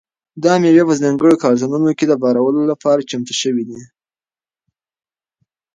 دا مېوې په ځانګړو کارتنونو کې د بارولو لپاره چمتو شوي دي.